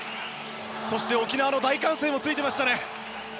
そして、沖縄の大歓声もついていましたね。